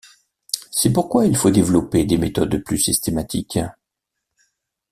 C'est pourquoi il faut développer des méthodes plus systématiques.